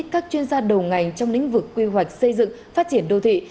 các chuyên gia đầu ngành trong lĩnh vực quy hoạch xây dựng phát triển đô thị